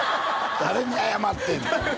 誰に謝ってんねん